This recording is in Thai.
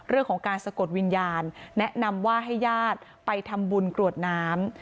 เรื่องของการสะกดวิญญาณแนะนำว่าให้ญาติไปทำบุญกรวดน้ำ